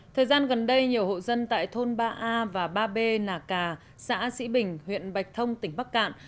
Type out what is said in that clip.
thời gian gần đây nhiều hộ dân tại thôn ba a và ba b nà cà xã sĩ bình huyện bạch thông tỉnh bắc cạn